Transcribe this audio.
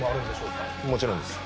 もちろんです。